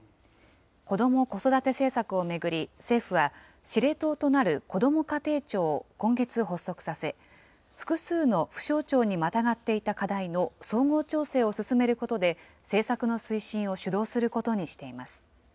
子ども・子育て政策を巡り、政府は司令塔となるこども家庭庁を今月発足させ、複数の府省庁にまたがっていた課題を、総合調整を進めることで、政策の推進を主導することにしています。